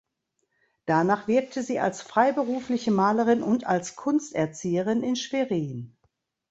Danach wirkte sie als freiberufliche Malerin und als Kunsterzieherin in Schwerin.